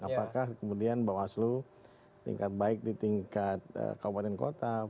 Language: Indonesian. apakah kemudian bawaslu tingkat baik di tingkat kabupaten kota